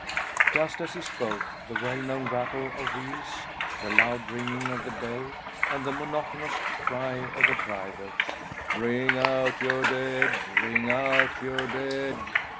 Just as he spoke, the well known rattle of wheels, the loud ringing of the bell, and the monotonous cry of the driver, "Bring out your dead! bring out your dead!"